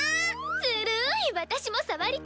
ずるい私も触りたい！